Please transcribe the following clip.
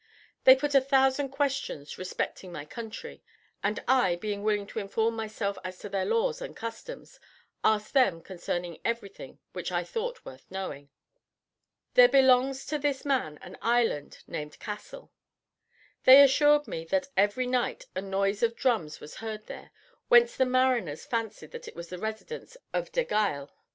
They put a thousand questions respecting my country; and I, being willing to inform myself as to their laws and customs, asked them concerning everything which I thought worth knowing. There belongs to this king an island named Cassel. They assured me that every night a noise of drums was heard there, whence the mariners fancied that it was the residence of Degial.